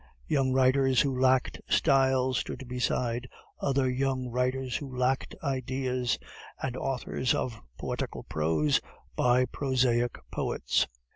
Young writers who lacked style stood beside other young writers who lacked ideas, and authors of poetical prose by prosaic poets.